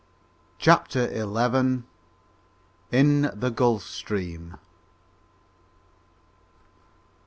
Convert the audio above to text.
CHAPTER ELEVEN. IN THE GULF STREAM.